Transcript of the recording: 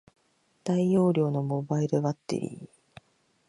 大容量のモバイルバッテリー